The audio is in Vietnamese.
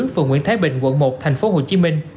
phường nguyễn thái bình quận một tp hcm